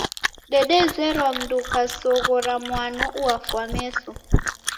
Dedezerwa mundu ukasoghora mwano uwafwa meso.